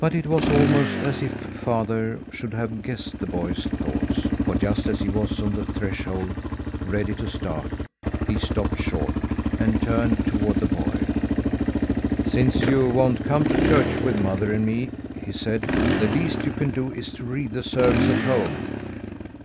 But it was almost as if father should have guessed the boy's thoughts, for just as he was on the threshold ready to start he stopped short, and turned toward the boy. "Since you won't come to church with mother and me," he said, "the least you can do, is to read the service at home.